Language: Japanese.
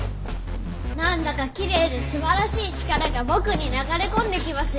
なんだか「きれいですばらしい力」がぼくに流れ込んできますよ！